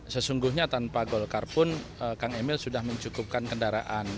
sesungguhnya tanpa golkar pun kang emil sudah mencukupkan kendaraan